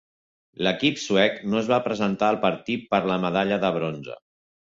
L'equip suec no es va presentar al partit per la medalla de bronze.